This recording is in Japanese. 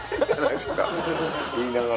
言いながら。